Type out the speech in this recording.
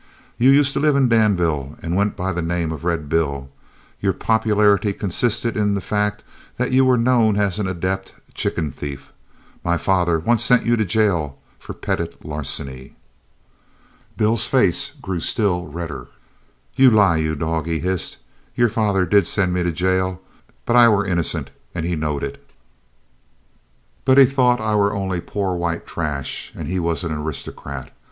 "You used to live in Danville, and went by the name of Red Bill. Your popularity consisted in the fact that you were known as an adept chicken thief. My father once sent you to jail for petit larceny." Bill's face grew still redder. "Yo' lie, yo' dog!" he hissed. "Yo' father did send me to jail, but I war innocent, an' he knowed it. But he thought I war only po' white trash, while he is an aristocrat.